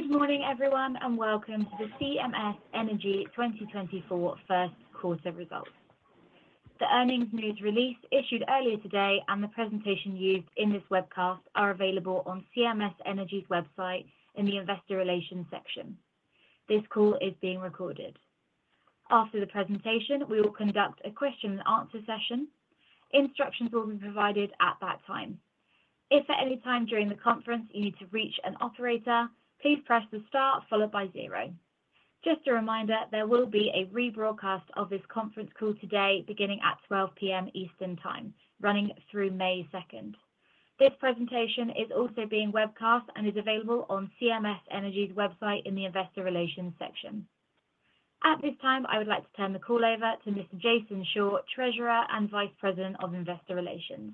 Good morning, everyone, and welcome to the CMS Energy 2024 first quarter results. The earnings news release issued earlier today and the presentation used in this webcast are available on CMS Energy's website in the investor relations section. This call is being recorded. After the presentation, we will conduct a question-and-answer session. Instructions will be provided at that time. If at any time during the conference you need to reach an operator, please press the star followed by 0. Just a reminder, there will be a rebroadcast of this conference call today beginning at 12:00 P.M. Eastern time, running through May 2nd. This presentation is also being webcast and is available on CMS Energy's website in the investor relations section. At this time, I would like to turn the call over to Mr. Jason Shore, Treasurer and Vice President of Investor Relations.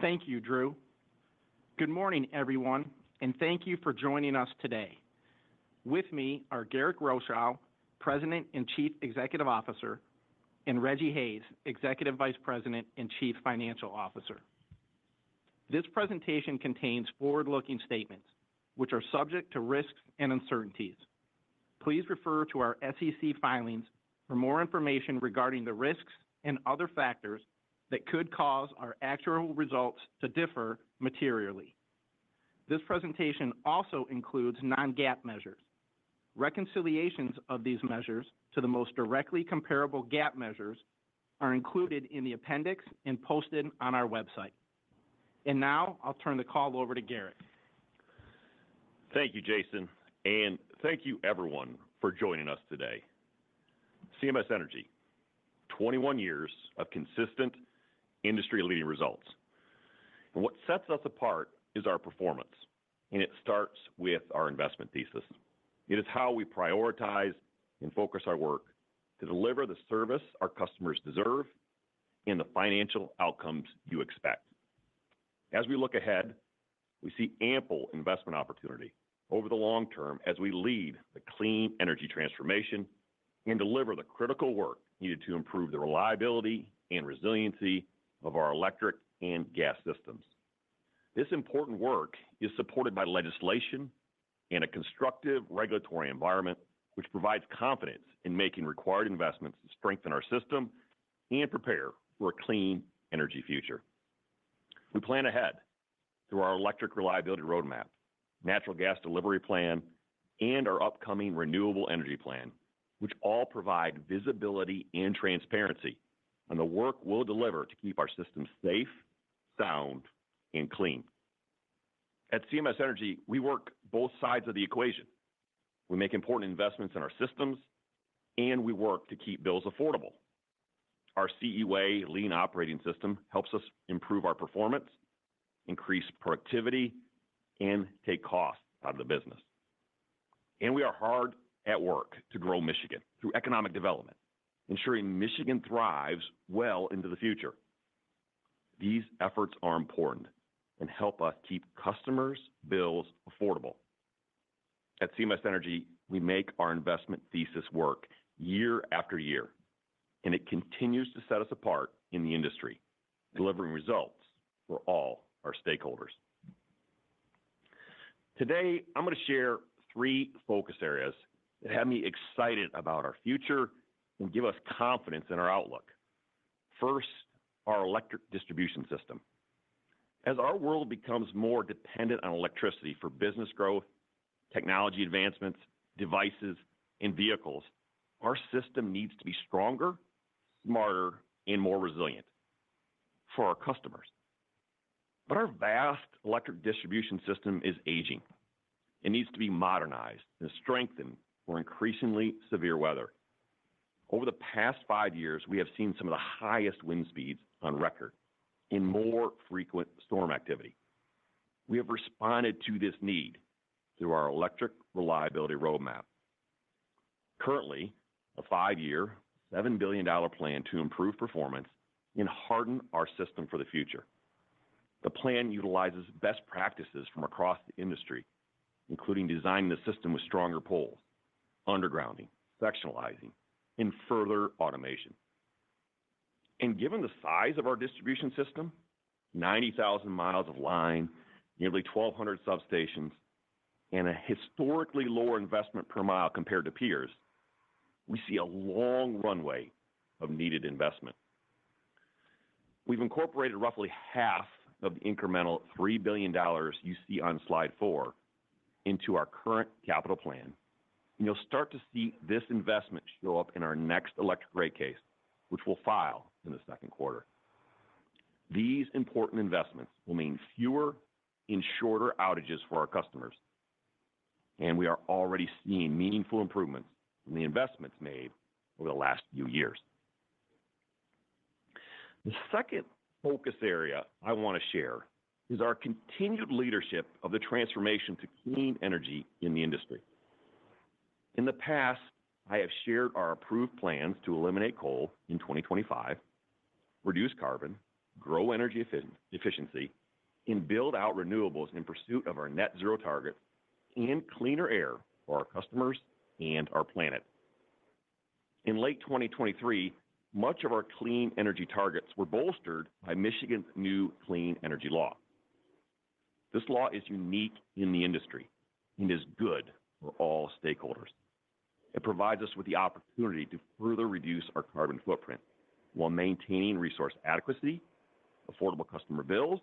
Thank you, Drew. Good morning, everyone, and thank you for joining us today. With me are Garrick Rochow, President and Chief Executive Officer, and Rejji Hayes, Executive Vice President and Chief Financial Officer. This presentation contains forward-looking statements which are subject to risks and uncertainties. Please refer to our SEC filings for more information regarding the risks and other factors that could cause our actual results to differ materially. This presentation also includes non-GAAP measures. Reconciliations of these measures to the most directly comparable GAAP measures are included in the appendix and posted on our website. Now I'll turn the call over to Garrick. Thank you, Jason, and thank you, everyone, for joining us today. CMS Energy: 21 years of consistent industry-leading results. What sets us apart is our performance, and it starts with our investment thesis. It is how we prioritize and focus our work to deliver the service our customers deserve and the financial outcomes you expect. As we look ahead, we see ample investment opportunity over the long term as we lead the clean energy transformation and deliver the critical work needed to improve the reliability and resiliency of our electric and gas systems. This important work is supported by legislation and a constructive regulatory environment which provides confidence in making required investments to strengthen our system and prepare for a clean energy future. We plan ahead through our Electric Reliability Roadmap, Natural Gas Delivery Plan, and our upcoming Renewable Energy Plan, which all provide visibility and transparency on the work we'll deliver to keep our systems safe, sound, and clean. At CMS Energy, we work both sides of the equation. We make important investments in our systems, and we work to keep bills affordable. Our CE Way Lean Operating System helps us improve our performance, increase productivity, and take costs out of the business. We are hard at work to grow Michigan through economic development, ensuring Michigan thrives well into the future. These efforts are important and help us keep customers' bills affordable. At CMS Energy, we make our investment thesis work year after year, and it continues to set us apart in the industry, delivering results for all our stakeholders. Today, I'm going to share three focus areas that have me excited about our future and give us confidence in our outlook. First, our electric distribution system. As our world becomes more dependent on electricity for business growth, technology advancements, devices, and vehicles, our system needs to be stronger, smarter, and more resilient for our customers. But our vast electric distribution system is aging and needs to be modernized and strengthened for increasingly severe weather. Over the past five years, we have seen some of the highest wind speeds on record in more frequent storm activity. We have responded to this need through our Electric Reliability Roadmap. Currently, a five-year, $7 billion plan to improve performance and harden our system for the future. The plan utilizes best practices from across the industry, including designing the system with stronger poles, undergrounding, sectionalizing, and further automation. Given the size of our distribution system—90,000 miles of line, nearly 1,200 substations, and a historically lower investment per mile compared to peers—we see a long runway of needed investment. We've incorporated roughly $1.5 billion of the incremental $3 billion you see on slide 4 into our current capital plan, and you'll start to see this investment show up in our next electric rate case, which we'll file in the second quarter. These important investments will mean fewer and shorter outages for our customers, and we are already seeing meaningful improvements from the investments made over the last few years. The second focus area I want to share is our continued leadership of the transformation to clean energy in the industry. In the past, I have shared our approved plans to eliminate coal in 2025, reduce carbon, grow energy efficiency, and build out renewables in pursuit of our net-zero targets and cleaner air for our customers and our planet. In late 2023, much of our clean energy targets were bolstered by Michigan's new clean energy law. This law is unique in the industry and is good for all stakeholders. It provides us with the opportunity to further reduce our carbon footprint while maintaining resource adequacy, affordable customer bills,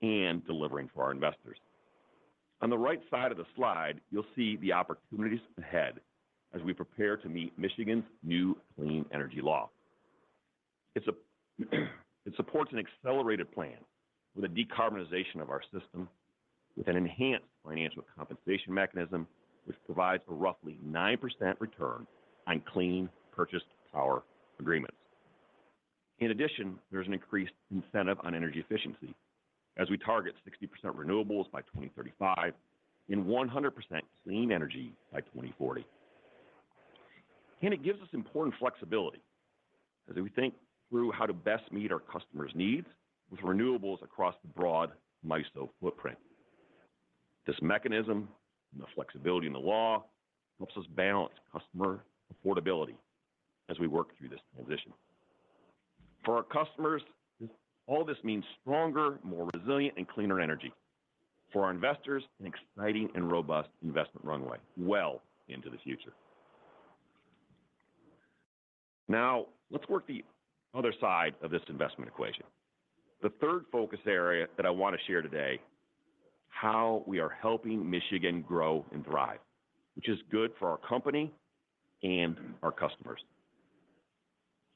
and delivering for our investors. On the right side of the slide, you'll see the opportunities ahead as we prepare to meet Michigan's new clean energy law. It supports an accelerated plan with a decarbonization of our system, with an enhanced financial compensation mechanism which provides a roughly 9% return on clean power purchase agreements. In addition, there's an increased incentive on energy efficiency as we target 60% renewables by 2035 and 100% clean energy by 2040. It gives us important flexibility as we think through how to best meet our customers' needs with renewables across the broad MISO footprint. This mechanism and the flexibility in the law helps us balance customer affordability as we work through this transition. For our customers, all this means stronger, more resilient, and cleaner energy. For our investors, an exciting and robust investment runway well into the future. Now, let's work the other side of this investment equation. The third focus area that I want to share today is how we are helping Michigan grow and thrive, which is good for our company and our customers.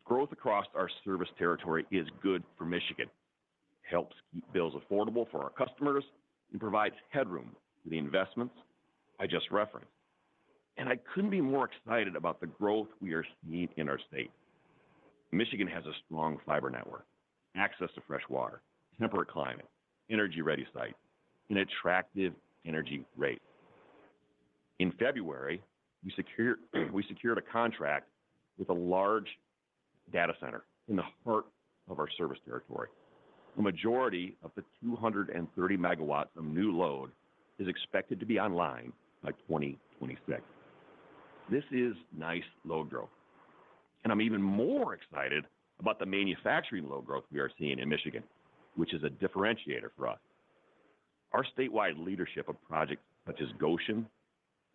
Growth across our service territory is good for Michigan. It helps keep bills affordable for our customers and provides headroom for the investments I just referenced. I couldn't be more excited about the growth we are seeing in our state. Michigan has a strong fiber network, access to fresh water, temperate climate, energy-ready sites, and attractive energy rates. In February, we secured a contract with a large data center in the heart of our service territory. A majority of the 230 MW of new load is expected to be online by 2026. This is nice load growth. I'm even more excited about the manufacturing load growth we are seeing in Michigan, which is a differentiator for us. Our statewide leadership of projects such as Gotion,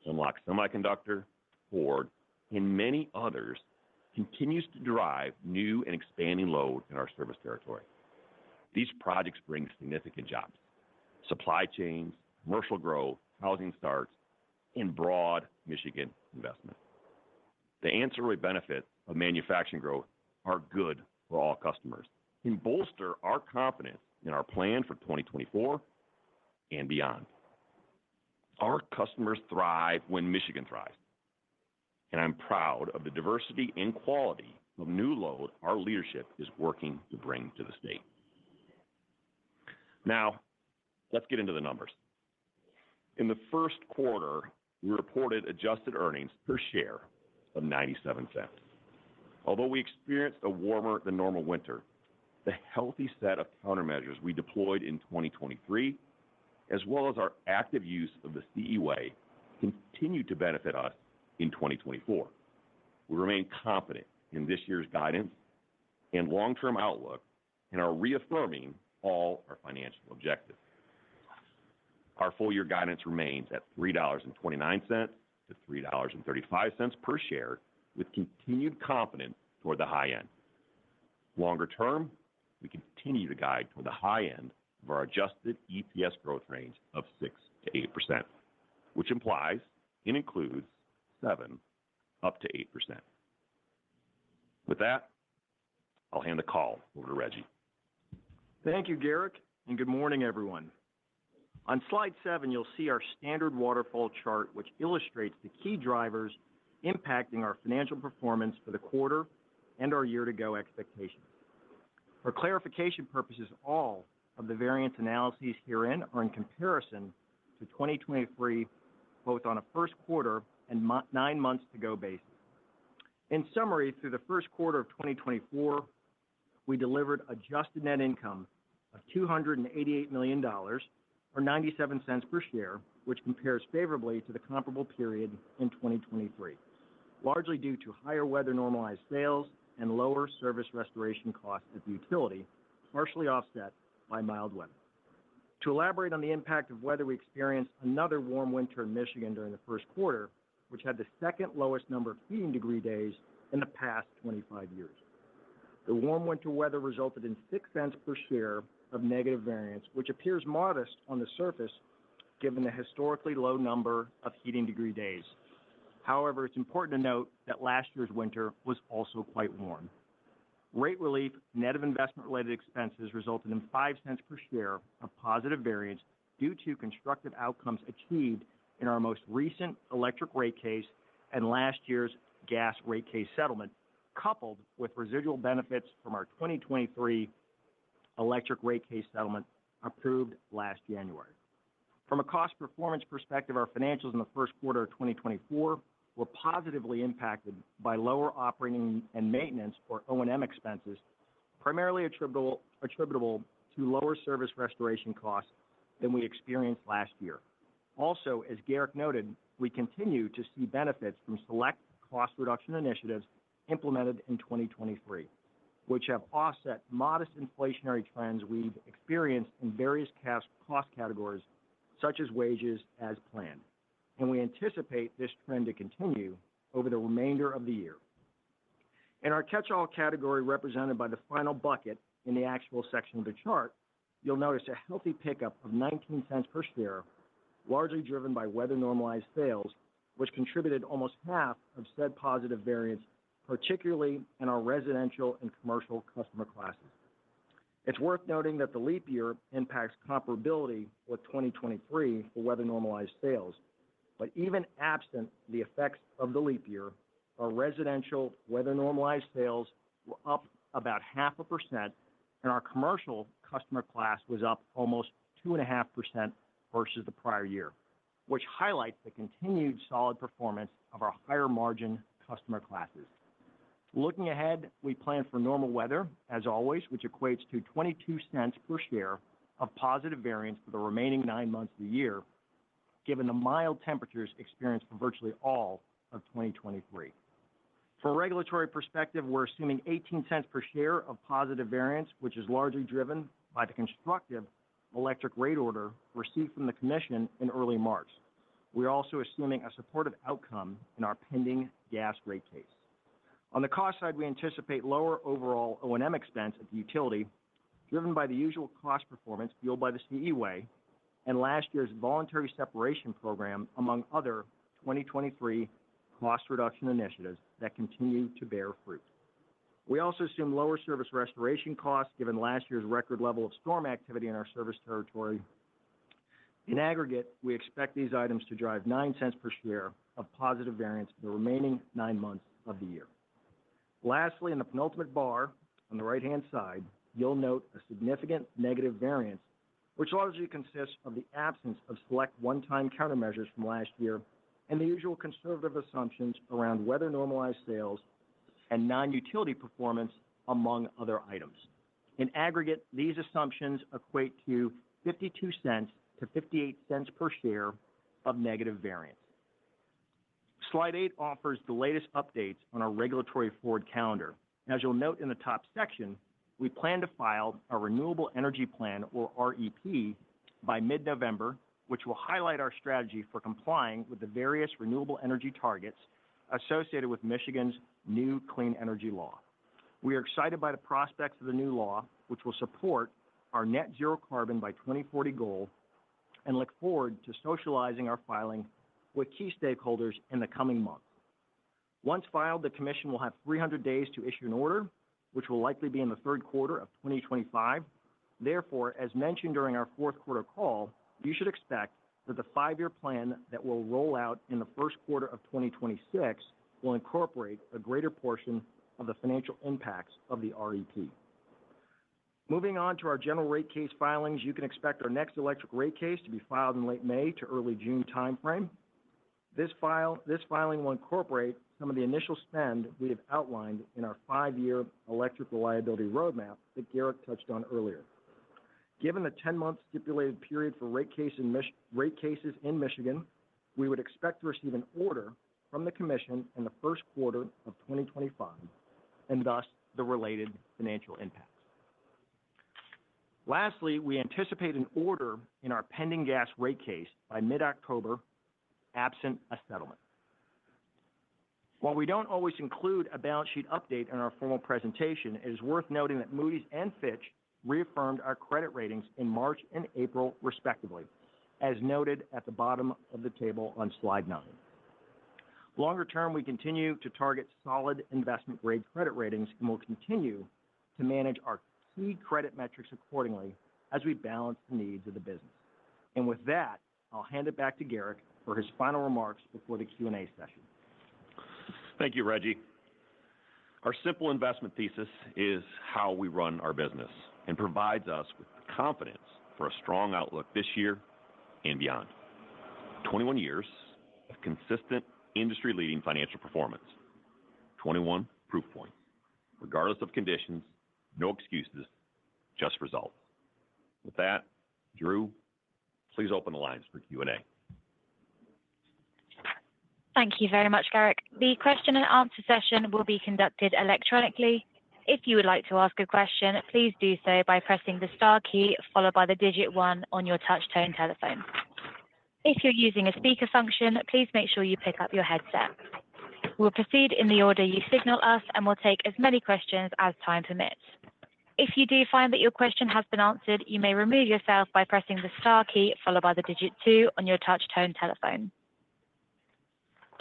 Hemlock Semiconductor, Ford, and many others continues to drive new and expanding load in our service territory. These projects bring significant jobs: supply chains, commercial growth, housing starts, and broad Michigan investment. The ancillary benefits of manufacturing growth are good for all customers and bolster our confidence in our plan for 2024 and beyond. Our customers thrive when Michigan thrives. I'm proud of the diversity and quality of new load our leadership is working to bring to the state. Now, let's get into the numbers. In the first quarter, we reported adjusted earnings per share of $0.97. Although we experienced a warmer than normal winter, the healthy set of countermeasures we deployed in 2023, as well as our active use of the CE Way, continued to benefit us in 2024. We remain confident in this year's guidance and long-term outlook and are reaffirming all our financial objectives. Our full-year guidance remains at $3.29-$3.35 per share, with continued confidence toward the high end. Longer term, we continue to guide toward the high end of our adjusted EPS growth range of 6%-8%, which implies and includes 7%-8%. With that, I'll hand the call over to Rejji. Thank you, Garrick, and good morning, everyone. On slide 7, you'll see our standard waterfall chart, which illustrates the key drivers impacting our financial performance for the quarter and our year-to-go expectations. For clarification purposes, all of the variance analyses herein are in comparison to 2023, both on a first quarter and nine months-to-go basis. In summary, through the first quarter of 2024, we delivered adjusted net income of $288 million or $0.97 per share, which compares favorably to the comparable period in 2023, largely due to higher weather normalized sales and lower service restoration costs at the utility, partially offset by mild weather. To elaborate on the impact of weather, we experienced another warm winter in Michigan during the first quarter, which had the second lowest number of heating degree days in the past 25 years. The warm winter weather resulted in $0.06 per share of negative variance, which appears modest on the surface given the historically low number of heating degree days. However, it's important to note that last year's winter was also quite warm. Rate relief, net of investment-related expenses, resulted in $0.05 per share of positive variance due to constructive outcomes achieved in our most recent electric rate case and last year's gas rate case settlement, coupled with residual benefits from our 2023 electric rate case settlement approved last January. From a cost performance perspective, our financials in the first quarter of 2024 were positively impacted by lower operating and maintenance, or O&M, expenses, primarily attributable to lower service restoration costs than we experienced last year. Also, as Garrick noted, we continue to see benefits from select cost reduction initiatives implemented in 2023, which have offset modest inflationary trends we've experienced in various cost categories, such as wages, as planned. And we anticipate this trend to continue over the remainder of the year. In our catch-all category, represented by the final bucket in the actual section of the chart, you'll notice a healthy pickup of $0.19 per share, largely driven by weather normalized sales, which contributed almost half of said positive variance, particularly in our residential and commercial customer classes. It's worth noting that the leap year impacts comparability with 2023 for weather normalized sales. But even absent the effects of the leap year, our residential weather normalized sales were up about 0.5%, and our commercial customer class was up almost 2.5% versus the prior year, which highlights the continued solid performance of our higher margin customer classes. Looking ahead, we plan for normal weather, as always, which equates to $0.22 per share of positive variance for the remaining nine months of the year, given the mild temperatures experienced for virtually all of 2023. For a regulatory perspective, we're assuming $0.18 per share of positive variance, which is largely driven by the constructive electric rate order received from the Commission in early March. We're also assuming a supportive outcome in our pending gas rate case. On the cost side, we anticipate lower overall O&M expense at the utility, driven by the usual cost performance fueled by the CE Way and last year's voluntary separation program, among other 2023 cost reduction initiatives that continue to bear fruit. We also assume lower service restoration costs, given last year's record level of storm activity in our service territory. In aggregate, we expect these items to drive $0.09 per share of positive variance for the remaining nine months of the year. Lastly, in the penultimate bar on the right-hand side, you'll note a significant negative variance, which largely consists of the absence of select one-time countermeasures from last year and the usual conservative assumptions around weather normalized sales and non-utility performance, among other items. In aggregate, these assumptions equate to $0.52-$0.58 per share of negative variance. Slide 8 offers the latest updates on our regulatory forward calendar. As you'll note in the top section, we plan to file our Renewable Energy Plan, or REP, by mid-November, which will highlight our strategy for complying with the various renewable energy targets associated with Michigan's new clean energy law. We are excited by the prospects of the new law, which will support our net-zero carbon by 2040 goal, and look forward to socializing our filing with key stakeholders in the coming months. Once filed, the Commission will have 300 days to issue an order, which will likely be in the third quarter of 2025. Therefore, as mentioned during our fourth quarter call, you should expect that the five-year plan that will roll out in the first quarter of 2026 will incorporate a greater portion of the financial impacts of the REP. Moving on to our general rate case filings, you can expect our next electric rate case to be filed in late May to early June timeframe. This filing will incorporate some of the initial spend we have outlined in our five-year Electric Reliability Roadmap that Garrick touched on earlier. Given the 10-month stipulated period for rate cases in Michigan, we would expect to receive an order from the Commission in the first quarter of 2025 and thus the related financial impacts. Lastly, we anticipate an order in our pending gas rate case by mid-October, absent a settlement. While we don't always include a balance sheet update in our formal presentation, it is worth noting that Moody's and Fitch reaffirmed our credit ratings in March and April, respectively, as noted at the bottom of the table on slide 9. Longer term, we continue to target solid investment-grade credit ratings and will continue to manage our key credit metrics accordingly as we balance the needs of the business. With that, I'll hand it back to Garrick for his final remarks before the Q&A session. Thank you, Rejji. Our simple investment thesis is how we run our business and provides us with the confidence for a strong outlook this year and beyond: 21 years of consistent industry-leading financial performance, 21 proof points, regardless of conditions, no excuses, just results. With that, Drew, please open the lines for Q&A. Thank you very much, Garrick. The question-and-answer session will be conducted electronically. If you would like to ask a question, please do so by pressing the star key followed by the digit 1 on your touch-tone telephone. If you're using a speaker function, please make sure you pick up your headset. We'll proceed in the order you signal us, and we'll take as many questions as time permits. If you do find that your question has been answered, you may remove yourself by pressing the star key followed by the digit 2 on your touch-tone telephone.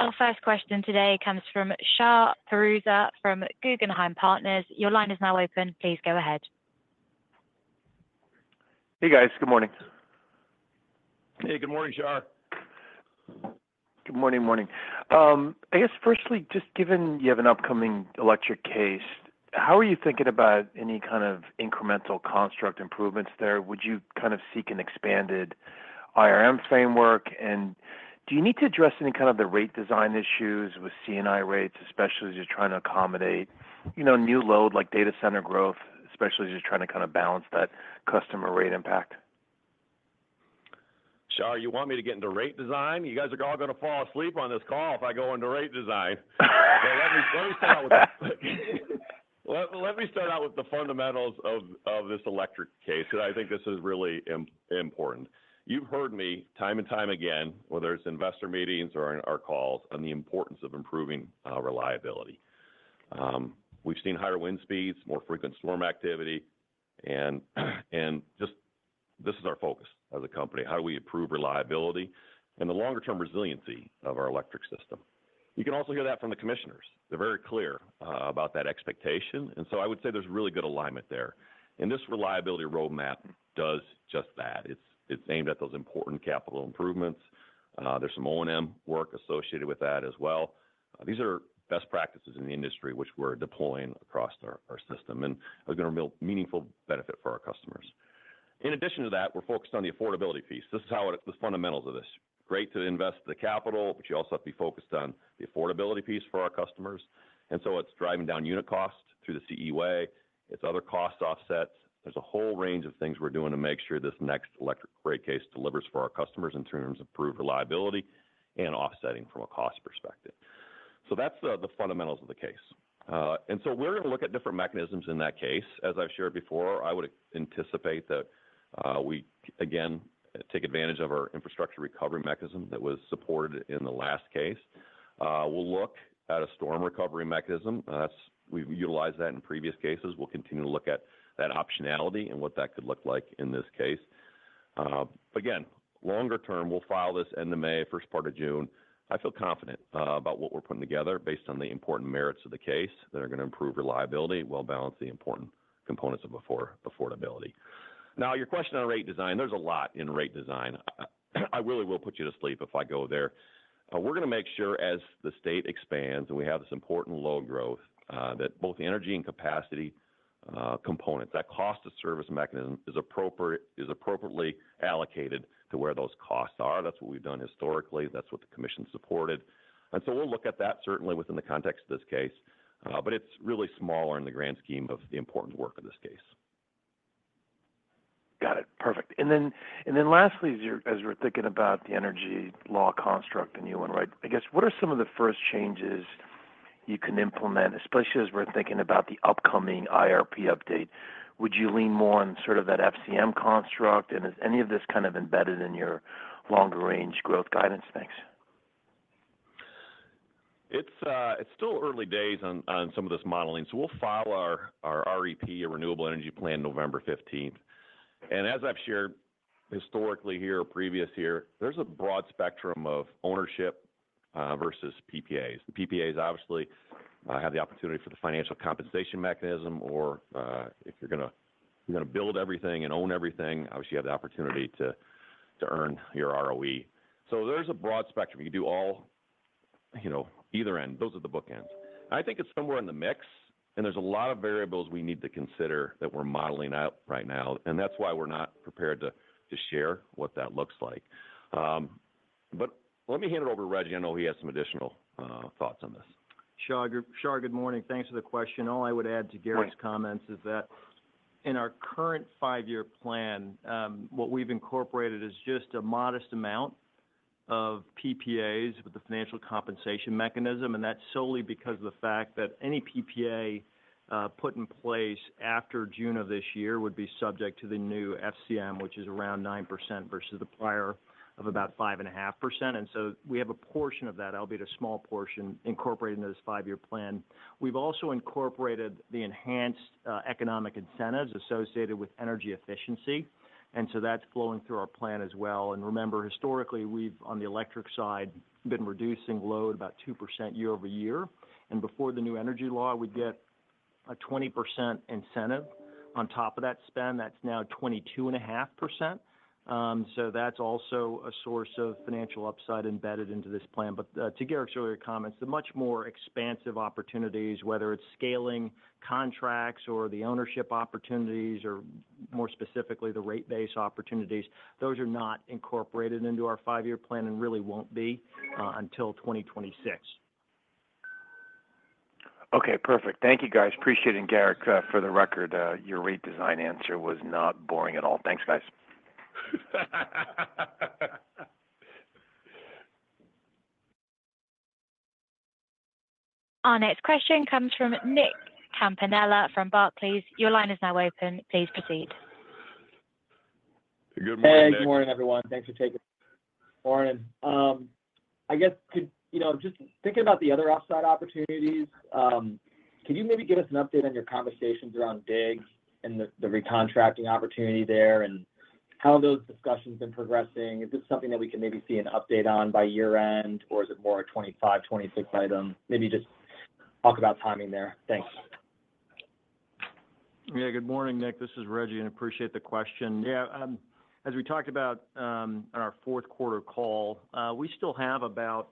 Our first question today comes from Shahriar Pourreza from Guggenheim Partners. Your line is now open. Please go ahead. Hey, guys. Good morning. Hey, good morning, Shah. Good morning, morning. I guess, firstly, just given you have an upcoming electric case, how are you thinking about any kind of incremental construct improvements there? Would you kind of seek an expanded IRM framework? And do you need to address any kind of the rate design issues with CNI rates, especially as you're trying to accommodate new load like data center growth, especially as you're trying to kind of balance that customer rate impact? Shah, you want me to get into rate design? You guys are all going to fall asleep on this call if I go into rate design. So let me start out with that. Let me start out with the fundamentals of this electric case, because I think this is really important. You've heard me time and time again, whether it's investor meetings or in our calls, on the importance of improving reliability. We've seen higher wind speeds, more frequent storm activity, and this is our focus as a company: how do we improve reliability and the longer-term resiliency of our electric system? You can also hear that from the commissioners. They're very clear about that expectation. And so I would say there's really good alignment there. And this reliability roadmap does just that. It's aimed at those important capital improvements. There's some O&M work associated with that as well. These are best practices in the industry, which we're deploying across our system, and are going to reveal meaningful benefit for our customers. In addition to that, we're focused on the affordability piece. This is the fundamentals of this: great to invest the capital, but you also have to be focused on the affordability piece for our customers. And so it's driving down unit costs through the CE Way. It's other cost offsets. There's a whole range of things we're doing to make sure this next electric rate case delivers for our customers in terms of improved reliability and offsetting from a cost perspective. So that's the fundamentals of the case. And so we're going to look at different mechanisms in that case. As I've shared before, I would anticipate that we, again, take advantage of our infrastructure recovery mechanism that was supported in the last case. We'll look at a storm recovery mechanism. We've utilized that in previous cases. We'll continue to look at that optionality and what that could look like in this case. But again, longer term, we'll file this end of May, first part of June. I feel confident about what we're putting together based on the important merits of the case that are going to improve reliability, well balance the important components of affordability. Now, your question on rate design, there's a lot in rate design. I really will put you to sleep if I go there. We're going to make sure, as the state expands and we have this important load growth, that both the energy and capacity components, that cost of service mechanism, is appropriately allocated to where those costs are. That's what we've done historically. That's what the Commission supported. We'll look at that, certainly, within the context of this case. But it's really smaller in the grand scheme of the important work of this case. Got it. Perfect. And then lastly, as we're thinking about the energy law construct and you went right, I guess, what are some of the first changes you can implement, especially as we're thinking about the upcoming IRP update? Would you lean more on sort of that FCM construct? And is any of this kind of embedded in your longer-range growth guidance? Thanks. It's still early days on some of this modeling. So we'll file our REP, our Renewable Energy Plan, November 15th. And as I've shared historically here, previous year, there's a broad spectrum of ownership versus PPAs. The PPAs, obviously, have the opportunity for the Financial Compensation Mechanism, or if you're going to build everything and own everything, obviously, you have the opportunity to earn your ROE. So there's a broad spectrum. You can do either end. Those are the bookends. I think it's somewhere in the mix, and there's a lot of variables we need to consider that we're modeling out right now. And that's why we're not prepared to share what that looks like. But let me hand it over to Rejji. I know he has some additional thoughts on this. Shah, good morning. Thanks for the question. All I would add to Garrick's comments is that in our current five-year plan, what we've incorporated is just a modest amount of PPAs with the financial compensation mechanism. That's solely because of the fact that any PPA put in place after June of this year would be subject to the new FCM, which is around 9% versus the prior of about 5.5%. So we have a portion of that, albeit a small portion, incorporated into this five-year plan. We've also incorporated the enhanced economic incentives associated with energy efficiency. So that's flowing through our plan as well. Remember, historically, we've, on the electric side, been reducing load about 2% year-over-year. Before the new energy law, we'd get a 20% incentive on top of that spend. That's now 22.5%. So that's also a source of financial upside embedded into this plan. But to Garrick's earlier comments, the much more expansive opportunities, whether it's scaling contracts or the ownership opportunities or, more specifically, the rate-based opportunities, those are not incorporated into our five-year plan and really won't be until 2026. Okay. Perfect. Thank you, guys. Appreciating Garrick. For the record, your rate design answer was not boring at all. Thanks, guys. Our next question comes from Nick Campanella from Barclays. Your line is now open. Please proceed. Hey, good morning, guys. Hey, good morning, everyone. Thanks for taking the morning. I guess, just thinking about the other upside opportunities, could you maybe give us an update on your conversations around DIG and the recontracting opportunity there and how those discussions have been progressing? Is this something that we can maybe see an update on by year-end, or is it more a 2025, 2026 item? Maybe just talk about timing there. Thanks. Yeah, good morning, Nick. This is Rejji, and I appreciate the question. Yeah, as we talked about on our fourth quarter call, we still have about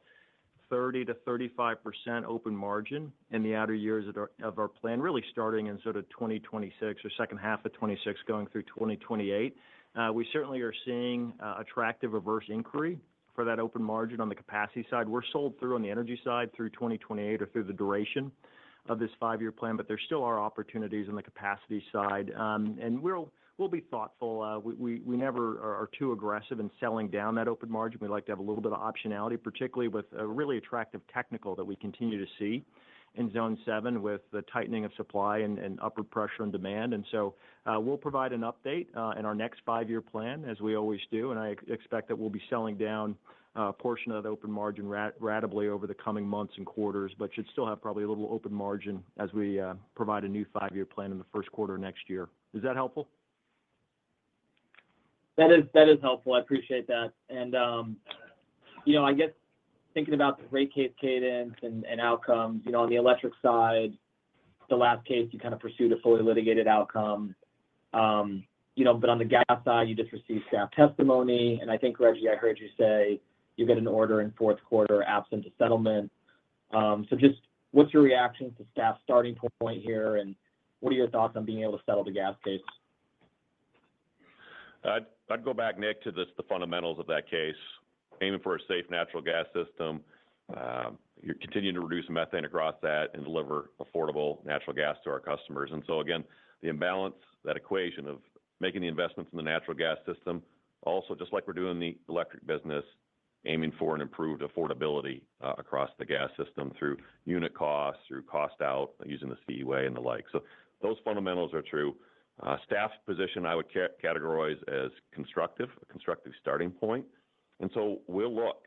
30%-35% open margin in the outer years of our plan, really starting in sort of 2026 or second half of 2026 going through 2028. We certainly are seeing attractive reverse inquiry for that open margin on the capacity side. We're sold through on the energy side through 2028 or through the duration of this five-year plan, but there still are opportunities on the capacity side. And we'll be thoughtful. We never are too aggressive in selling down that open margin. We like to have a little bit of optionality, particularly with a really attractive technical that we continue to see in Zone 7 with the tightening of supply and upward pressure on demand. We'll provide an update in our next five-year plan, as we always do. I expect that we'll be selling down a portion of that open margin radically over the coming months and quarters, but should still have probably a little open margin as we provide a new five-year plan in the first quarter next year. Is that helpful? That is helpful. I appreciate that. And I guess, thinking about the rate case cadence and outcomes, on the electric side, the last case, you kind of pursued a fully litigated outcome. But on the gas side, you just received staff testimony. And I think, Rejji, I heard you say you get an order in fourth quarter absent a settlement. So just what's your reaction to staff's starting point here, and what are your thoughts on being able to settle the gas case? I'd go back, Nick, to the fundamentals of that case, aiming for a safe natural gas system, continuing to reduce methane across that, and deliver affordable natural gas to our customers. And so again, the imbalance, that equation of making the investments in the natural gas system, also just like we're doing the electric business, aiming for an improved affordability across the gas system through unit costs, through cost out using the CE Way and the like. So those fundamentals are true. Staff position, I would categorize as constructive, a constructive starting point. And so we'll look.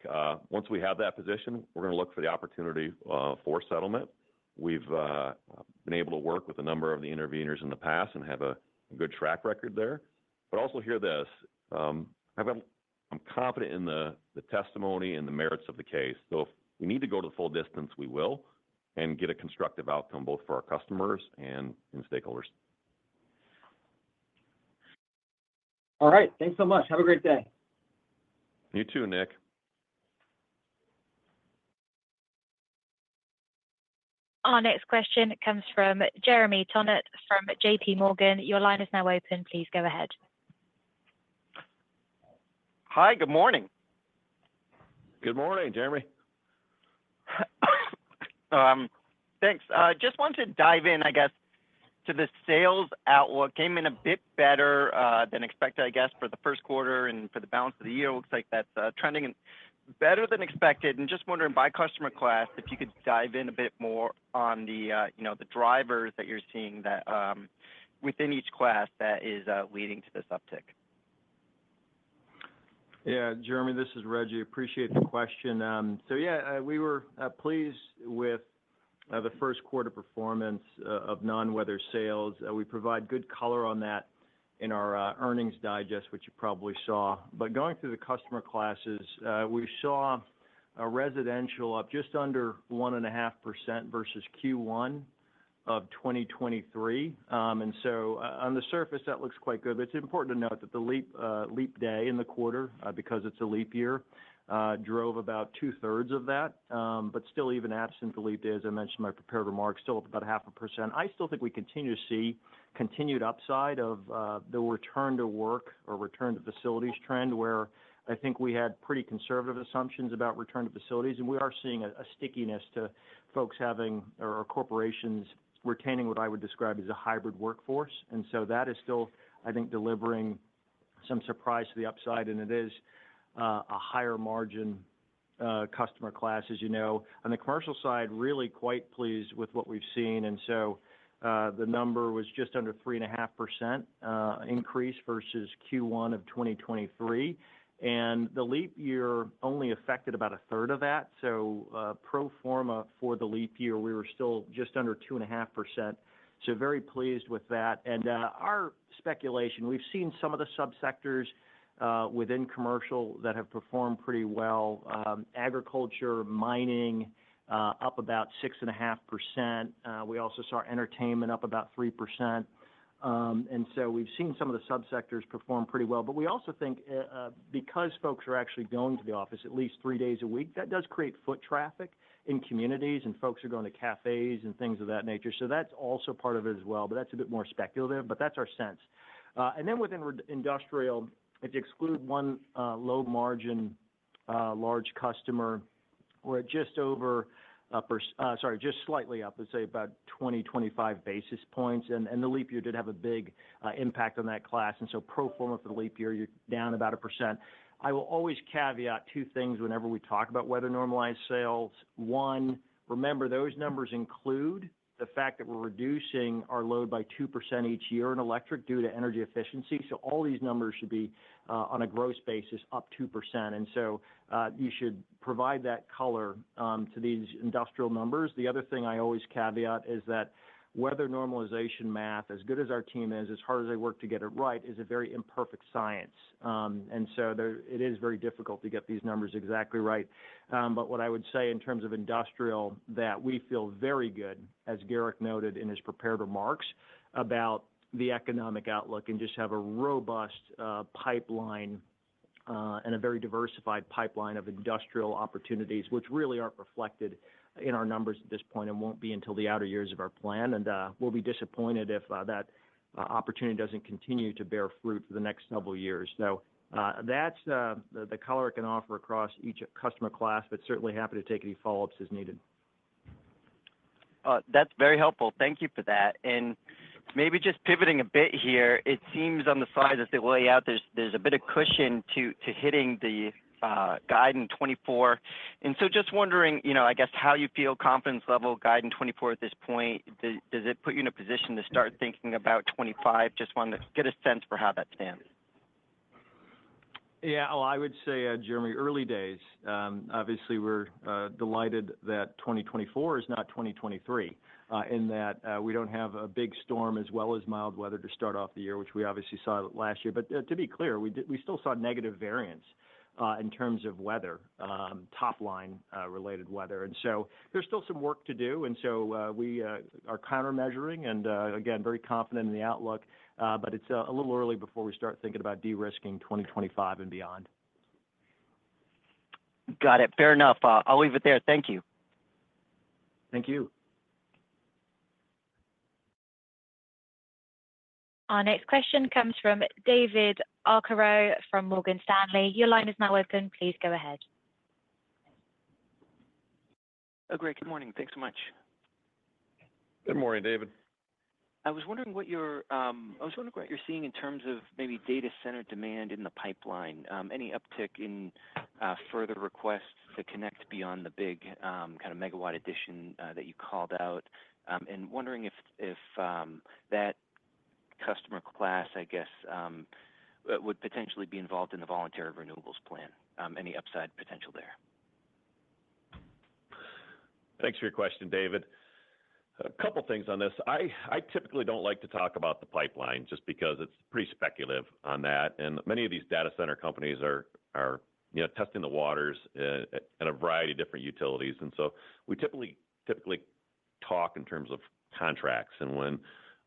Once we have that position, we're going to look for the opportunity for settlement. We've been able to work with a number of the intervenors in the past and have a good track record there. But also hear this: I'm confident in the testimony and the merits of the case. If we need to go to the full distance, we will and get a constructive outcome both for our customers and stakeholders. All right. Thanks so much. Have a great day. You too, Nick. Our next question comes from Jeremy Tonet from J.P. Morgan. Your line is now open. Please go ahead. Hi, good morning. Good morning, Jeremy. Thanks. I just want to dive in, I guess, to the sales outlook. Came in a bit better than expected, I guess, for the first quarter and for the balance of the year. Looks like that's trending better than expected. Just wondering, by customer class, if you could dive in a bit more on the drivers that you're seeing within each class that is leading to this uptick. Yeah, Jeremy, this is Rejji. Appreciate the question. So yeah, we were pleased with the first quarter performance of non-weather sales. We provide good color on that in our Earnings Digest, which you probably saw. But going through the customer classes, we saw a residential up just under 1.5% versus Q1 of 2023. So on the surface, that looks quite good. But it's important to note that the leap day in the quarter, because it's a leap year, drove about two-thirds of that. But still, even absent the leap day, as I mentioned in my prepared remarks, still up about 0.5%. I still think we continue to see continued upside of the return to work or return to facilities trend, where I think we had pretty conservative assumptions about return to facilities. We are seeing a stickiness to folks having or corporations retaining what I would describe as a hybrid workforce. And so that is still, I think, delivering some surprise to the upside. And it is a higher margin customer class, as you know. On the commercial side, really quite pleased with what we've seen. And so the number was just under 3.5% increase versus Q1 of 2023. And the leap year only affected about a third of that. So pro forma for the leap year, we were still just under 2.5%. So very pleased with that. And our speculation, we've seen some of the subsectors within commercial that have performed pretty well: agriculture, mining, up about 6.5%. We also saw entertainment up about 3%. And so we've seen some of the subsectors perform pretty well. But we also think, because folks are actually going to the office at least three days a week, that does create foot traffic in communities, and folks are going to cafés and things of that nature. So that's also part of it as well. But that's a bit more speculative. But that's our sense. And then within industrial, if you exclude one low-margin large customer, we're at just over sorry, just slightly up, let's say, about 20-25 basis points. And the leap year did have a big impact on that class. And so pro forma for the leap year, you're down about 1%. I will always caveat two things whenever we talk about weather normalized sales. One, remember, those numbers include the fact that we're reducing our load by 2% each year in electric due to energy efficiency. So all these numbers should be, on a gross basis, up 2%. And so you should provide that color to these industrial numbers. The other thing I always caveat is that weather normalization math, as good as our team is, as hard as they work to get it right, is a very imperfect science. And so it is very difficult to get these numbers exactly right. But what I would say in terms of industrial, that we feel very good, as Garrick noted in his prepared remarks, about the economic outlook and just have a robust pipeline and a very diversified pipeline of industrial opportunities, which really aren't reflected in our numbers at this point and won't be until the outer years of our plan. And we'll be disappointed if that opportunity doesn't continue to bear fruit for the next several years. That's the color I can offer across each customer class, but certainly happy to take any follow-ups as needed. That's very helpful. Thank you for that. Maybe just pivoting a bit here, it seems on the slides as they lay out, there's a bit of cushion to hitting the guidance 2024. So just wondering, I guess, how you feel confidence level guidance 2024 at this point. Does it put you in a position to start thinking about 2025? Just want to get a sense for how that stands. Yeah. Well, I would say, Jeremy, early days. Obviously, we're delighted that 2024 is not 2023 in that we don't have a big storm as well as mild weather to start off the year, which we obviously saw last year. But to be clear, we still saw negative variance in terms of weather, top-line-related weather. And so there's still some work to do. And so we are countermeasuring and, again, very confident in the outlook. But it's a little early before we start thinking about de-risking 2025 and beyond. Got it. Fair enough. I'll leave it there. Thank you. Thank you. Our next question comes from David Arcaro from Morgan Stanley. Your line is now open. Please go ahead. Oh, great. Good morning. Thanks so much. Good morning, David. I was wondering what you're seeing in terms of maybe data center demand in the pipeline, any uptick in further requests to connect beyond the big kind of megawatt addition that you called out, and wondering if that customer class, I guess, would potentially be involved in the voluntary renewables plan, any upside potential there. Thanks for your question, David. A couple of things on this. I typically don't like to talk about the pipeline just because it's pretty speculative on that. And many of these data center companies are testing the waters in a variety of different utilities. And so we typically talk in terms of contracts. And when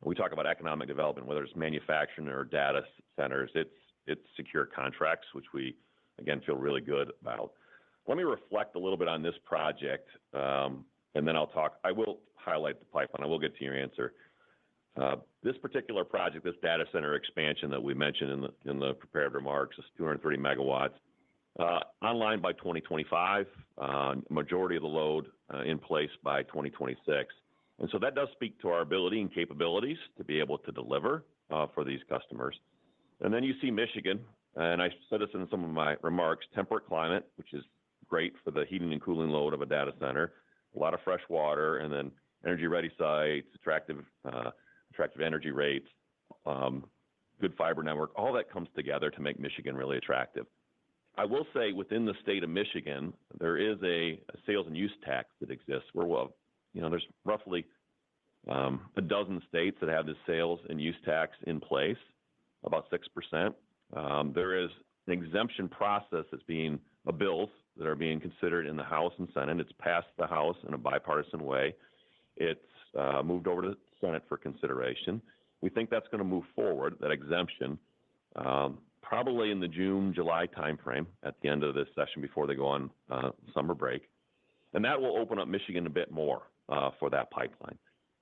we talk about economic development, whether it's manufacturing or data centers, it's secure contracts, which we, again, feel really good about. Let me reflect a little bit on this project, and then I'll talk I will highlight the pipeline. I will get to your answer. This particular project, this data center expansion that we mentioned in the prepared remarks, is 230 MW, online by 2025, majority of the load in place by 2026. And so that does speak to our ability and capabilities to be able to deliver for these customers. Then you see Michigan. And I said this in some of my remarks: temperate climate, which is great for the heating and cooling load of a data center, a lot of fresh water, and then energy-ready sites, attractive energy rates, good fiber network. All that comes together to make Michigan really attractive. I will say, within the state of Michigan, there is a sales and use tax that exists. There's roughly a dozen states that have this sales and use tax in place, about 6%. There are bills that are being considered in the House and Senate. It's passed the House in a bipartisan way. It's moved over to the Senate for consideration. We think that's going to move forward, that exemption, probably in the June, July timeframe at the end of this session before they go on summer break. That will open up Michigan a bit more for that pipeline.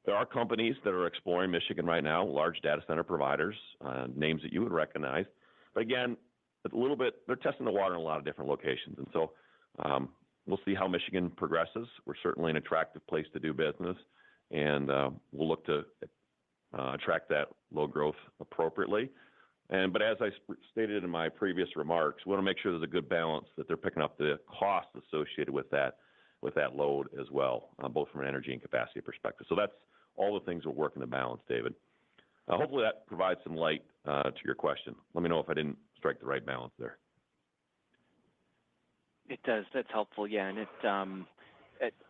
There are companies that are exploring Michigan right now, large data center providers, names that you would recognize. But again, a little bit they're testing the water in a lot of different locations. And so we'll see how Michigan progresses. We're certainly an attractive place to do business, and we'll look to attract that load growth appropriately. But as I stated in my previous remarks, we want to make sure there's a good balance that they're picking up the cost associated with that load as well, both from an energy and capacity perspective. So that's all the things we're working to balance, David. Hopefully, that provides some light to your question. Let me know if I didn't strike the right balance there. It does. That's helpful, yeah. And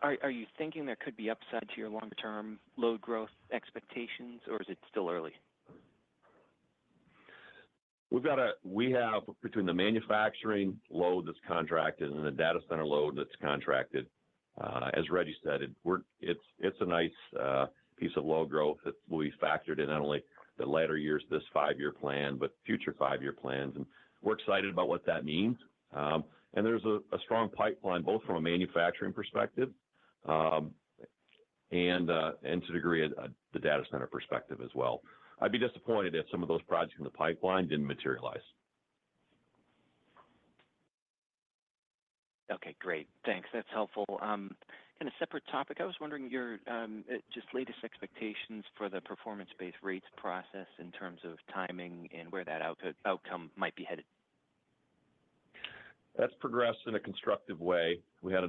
are you thinking there could be upside to your long-term load growth expectations, or is it still early? We have between the manufacturing load that's contracted and the data center load that's contracted. As Rejji said, it's a nice piece of low growth that we factored in not only the later years, this five-year plan, but future five-year plans. We're excited about what that means. There's a strong pipeline, both from a manufacturing perspective and, to a degree, the data center perspective as well. I'd be disappointed if some of those projects in the pipeline didn't materialize. Okay. Great. Thanks. That's helpful. Kind of separate topic, I was wondering your latest expectations for the performance-based rates process in terms of timing and where that outcome might be headed? That's progressed in a constructive way. We had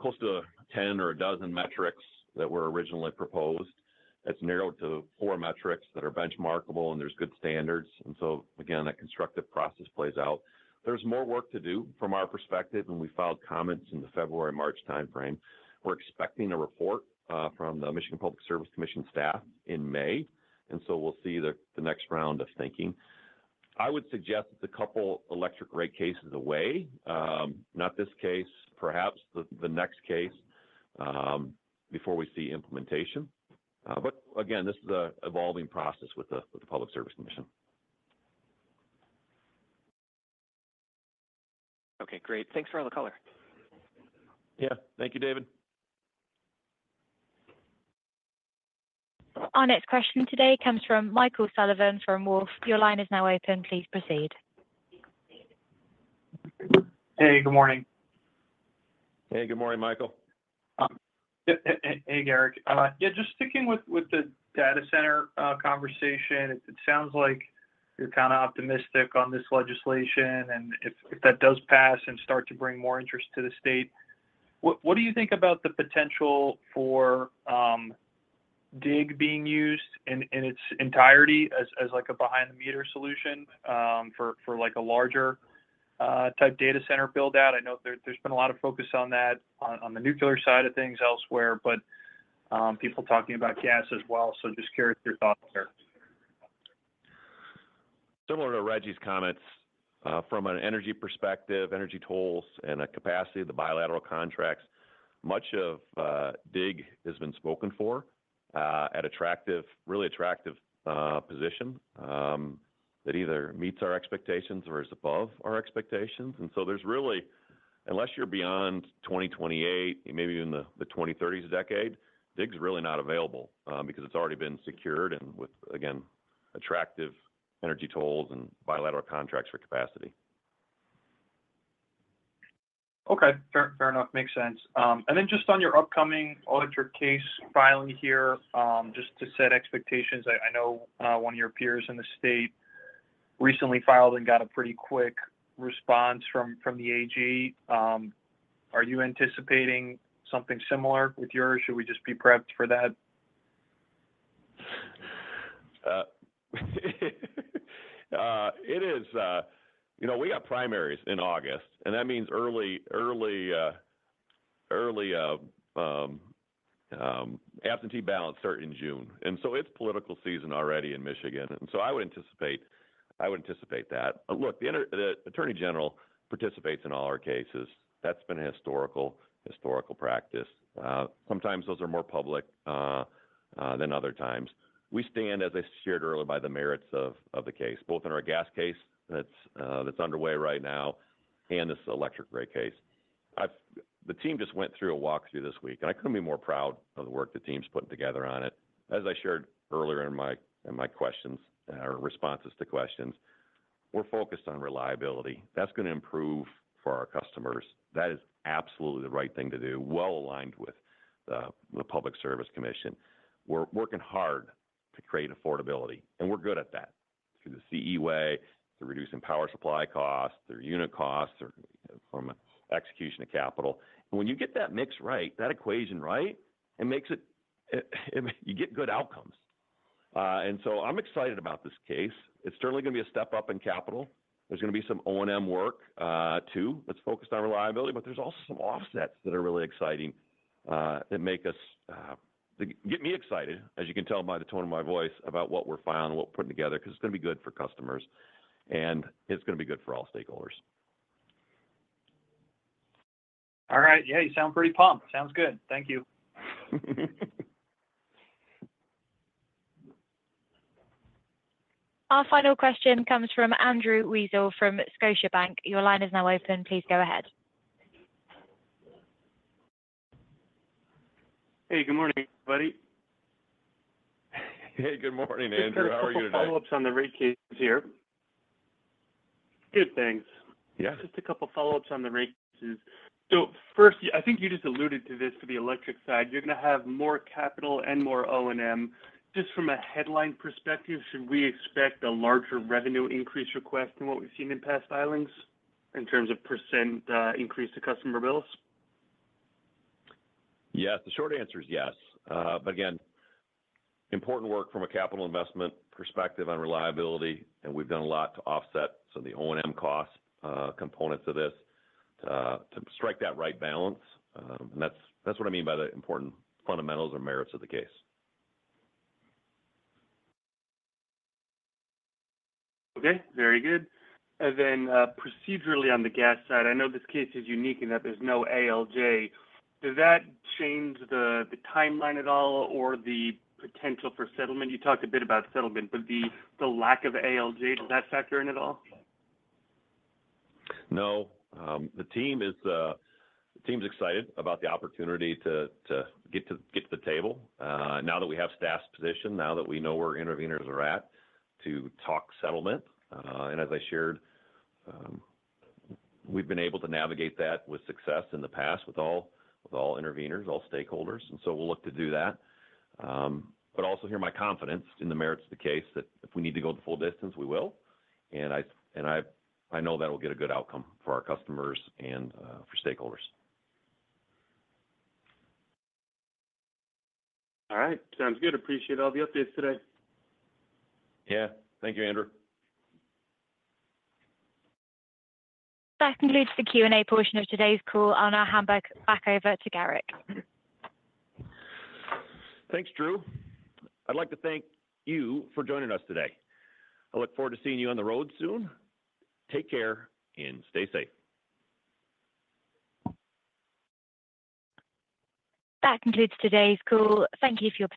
close to 10 or 12 metrics that were originally proposed. It's narrowed to 4 metrics that are benchmarkable, and there's good standards. And so again, that constructive process plays out. There's more work to do from our perspective, and we filed comments in the February, March timeframe. We're expecting a report from the Michigan Public Service Commission staff in May. And so we'll see the next round of thinking. I would suggest it's a couple electric rate cases away, not this case, perhaps the next case before we see implementation. But again, this is an evolving process with the Public Service Commission. Okay. Great. Thanks for all the color. Yeah. Thank you, David. Our next question today comes from Michael Sullivan from Wolfe. Your line is now open. Please proceed. Hey. Good morning. Hey. Good morning, Michael. Hey, Garrick. Yeah, just sticking with the data center conversation, it sounds like you're kind of optimistic on this legislation. And if that does pass and start to bring more interest to the state, what do you think about the potential for DIG being used in its entirety as a behind-the-meter solution for a larger-type data center buildout? I know there's been a lot of focus on that on the nuclear side of things elsewhere, but people talking about gas as well. So just curious your thoughts there. Similar to Rejji's comments, from an energy perspective, energy tolls, and the capacity of the bilateral contracts, much of DIG has been spoken for at a really attractive position that either meets our expectations or is above our expectations. And so there's really, unless you're beyond 2028, maybe even the 2030s decade, DIG is really not available because it's already been secured and with, again, attractive energy tolls and bilateral contracts for capacity. Okay. Fair enough. Makes sense. Then just on your upcoming electric case filing here, just to set expectations, I know one of your peers in the state recently filed and got a pretty quick response from the AG. Are you anticipating something similar with yours? Should we just be prepped for that? It is. We got primaries in August, and that means early absentee ballots start in June. And so it's political season already in Michigan. And so I would anticipate that. Look, the Attorney General participates in all our cases. That's been a historical practice. Sometimes those are more public than other times. We stand, as I shared earlier, by the merits of the case, both in our gas case that's underway right now and this electric rate case. The team just went through a walkthrough this week, and I couldn't be more proud of the work the team's putting together on it. As I shared earlier in my questions or responses to questions, we're focused on reliability. That's going to improve for our customers. That is absolutely the right thing to do, well aligned with the Public Service Commission. We're working hard to create affordability, and we're good at that through the CE Way, through reducing power supply costs, through unit costs, from execution to capital. When you get that mix right, that equation right, it makes it you get good outcomes. So I'm excited about this case. It's certainly going to be a step up in capital. There's going to be some O&M work too that's focused on reliability. But there's also some offsets that are really exciting that make us get me excited, as you can tell by the tone of my voice, about what we're filing and what we're putting together because it's going to be good for customers, and it's going to be good for all stakeholders. All right. Yeah. You sound pretty pumped. Sounds good. Thank you. Our final question comes from Andrew Weisel from Scotiabank. Your line is now open. Please go ahead. Hey. Good morning, everybody. Hey. Good morning, Andrew. How are you today? Just a couple of follow-ups on the rate case here. Good, thanks. Just a couple of follow-ups on the rates. So first, I think you just alluded to this for the electric side. You're going to have more capital and more O&M. Just from a headline perspective, should we expect a larger revenue increase request than what we've seen in past filings in terms of percent increase to customer bills? Yes. The short answer is yes. But again, important work from a capital investment perspective on reliability, and we've done a lot to offset some of the O&M cost components of this to strike that right balance. And that's what I mean by the important fundamentals or merits of the case. Okay. Very good. And then procedurally on the gas side, I know this case is unique in that there's no ALJ. Does that change the timeline at all or the potential for settlement? You talked a bit about settlement, but the lack of ALJ, does that factor in at all? No. The team's excited about the opportunity to get to the table now that we have staff's position, now that we know where intervenors are at to talk settlement. As I shared, we've been able to navigate that with success in the past with all intervenors, all stakeholders. We'll look to do that. I also hear my confidence in the merits of the case that if we need to go the full distance, we will. I know that will get a good outcome for our customers and for stakeholders. All right. Sounds good. Appreciate all the updates today. Yeah. Thank you, Andrew. That concludes the Q&A portion of today's call. I'll now hand back over to Garrick. Thanks, Drew. I'd like to thank you for joining us today. I look forward to seeing you on the road soon. Take care and stay safe. That concludes today's call. Thank you for your.